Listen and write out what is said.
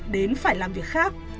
đến phải làm việc khác